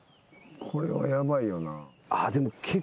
これはヤバいよな。